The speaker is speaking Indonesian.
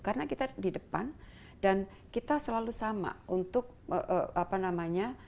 karena kita di depan dan kita selalu sama untuk apa namanya